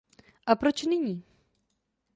A proč nyní?